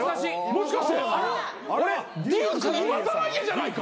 もしかしてデューク今更家じゃないか？